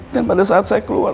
dan pada saat saya keluar